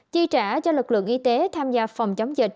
chi trả cho lực lượng y tế tham gia phòng chống dịch